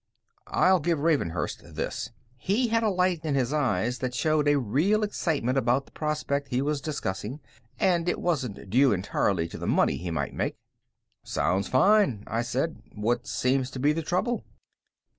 I'll give Ravenhurst this: He had a light in his eyes that showed a real excitement about the prospect he was discussing, and it wasn't due entirely to the money he might make. "Sounds fine," I said. "What seems to be the trouble?"